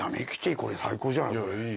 これ最高じゃない？